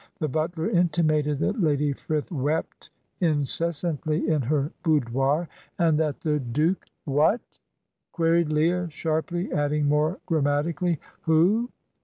The butler intimated that Lady Frith wept incessantly in her boudoir, and that the Duke "What?" queried Leah, sharply, adding more grammatically, "Who?"